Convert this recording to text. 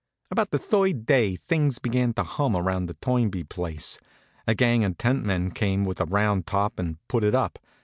About the third day things began to hum around the Toynbee place. A gang of tentmen came with a round top and put it up.